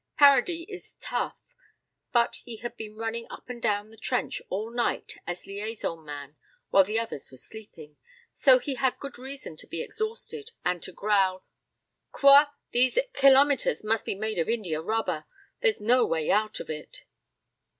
Paradis is tough. But he had been running up and down the trench all night as liaison man while the others were sleeping, so he had good reason to be exhausted and to growl "Quoi? These kilometers must be made of india rubber, there's no way out of it."